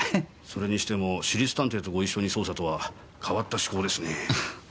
それにしても私立探偵とご一緒に捜査とは変わった趣向ですね。